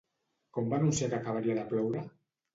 Com va anunciar que acabaria de ploure?